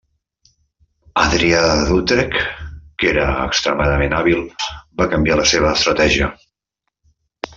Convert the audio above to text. Adrià d'Utrecht, que era extremadament hàbil, va canviar la seva estratègia.